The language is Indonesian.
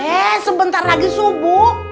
eh sebentar lagi subuh